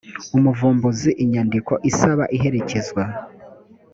umuvumbuzi inyandiko isaba iherekezwa